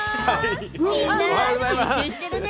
みんな集中してるね。